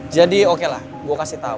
jadi okelah gue kasih tau